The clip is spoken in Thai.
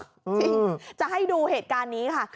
จริงจะให้ดูเหตุการณ์นี้ค่ะ